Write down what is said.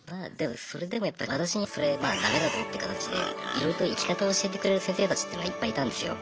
それでもやっぱり私にそれまあダメだぞって形でいろいろと生き方を教えてくれる先生たちっていうのはいっぱいいたんですよ。